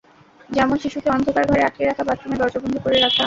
যেমন শিশুকে অন্ধকার ঘরে আটকে রাখা, বাথরুমে দরজা বন্ধ করে রাখা।